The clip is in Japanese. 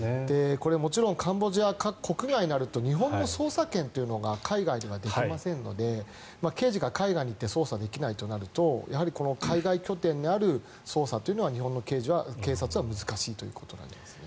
これ、もちろんカンボジア国内になると日本の捜査権というのが海外ではできませんので刑事が海外に行って捜査できないとなると海外拠点である捜査というのは日本の警察は難しいということになりますね。